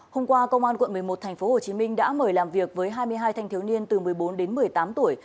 hôm qua công an quận một mươi một tp hcm đã mời làm việc với hai mươi hai thanh thiếu niên từ một mươi bốn đến một mươi tám tuổi